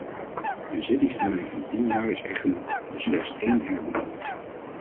Een zittingstermijn van tien jaar is echt genoeg, dus slechts één herbenoeming.